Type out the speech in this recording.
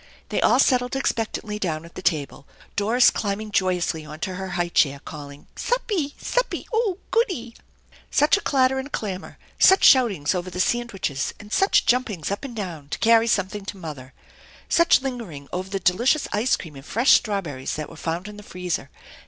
They all settled expectantly down at the table, Dorii climbing joyously into her high chair, calling: " Suppy ! Suppy ! Oh goody !" Such a clatter and a clamor, such shoutings over the sand wiches and such jumpings up and down to carry something to mother ! Such lingering over the delicious ice cream and fresh strawberries that were found in the freezer!